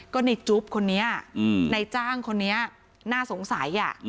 ก็ในจุ๊บคนนี้ในจ้างคนนี้น่าสงสัย